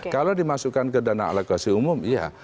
kalau dimasukkan ke dana alokasi umum iya